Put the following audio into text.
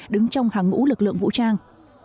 đứng trong hàng ngũ lực lượng vũ trang